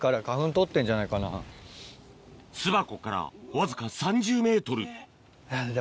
巣箱からわずか３０ｍ